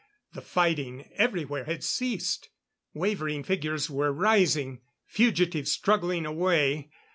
The fighting everywhere had ceased. Wavering figures were rising fugitives struggling away.